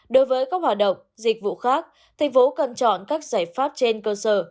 đối với các hoạt động dịch vụ khác tp hcm cần chọn các giải pháp trên cơ sở